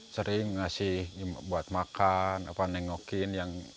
sering ngasih buat makan nengokin